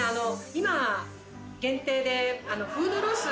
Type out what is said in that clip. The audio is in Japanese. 今限定でフードロス。